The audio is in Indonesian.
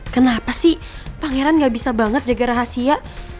kenapa sih pangeran gak bisa banget jaga rahasia